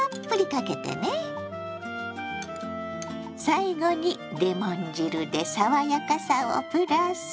最後にレモン汁で爽やかさをプラス。